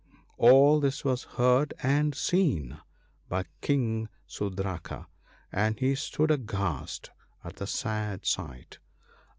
" All this was heard and seen by King Sudraka, and he stood aghast at the sad sight.